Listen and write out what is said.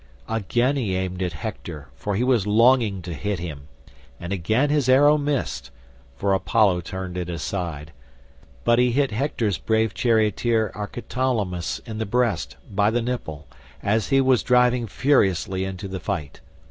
Again he aimed at Hector, for he was longing to hit him, and again his arrow missed, for Apollo turned it aside; but he hit Hector's brave charioteer Archeptolemus in the breast, by the nipple, as he was driving furiously into the fight.